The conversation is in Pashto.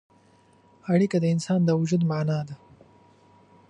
اړیکه د انسان د وجود معنا ده.